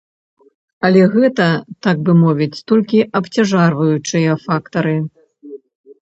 Але гэта, так бы мовіць, толькі абцяжарваючыя фактары.